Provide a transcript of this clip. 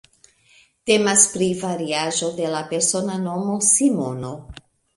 Temas pri variaĵo de la persona nomo Simono.